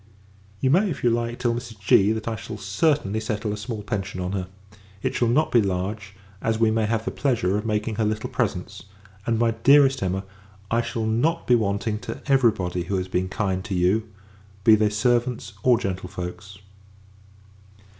You may, if you like, tell Mrs. G. that I shall certainly settle a small pension on her. It shall not be large, as we may have the pleasure of making her little presents; and, my dearest Emma, I shall not be wanting to every body who has been kind to you, be they servants or gentlefolks.